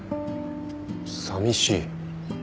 さみしい？